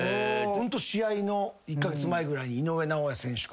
ホント試合の１カ月前ぐらいに井上尚弥選手から。